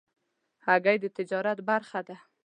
هګۍ د تجارت برخه ده.